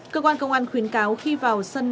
cơ quan công an khuyến cáo khi vào sân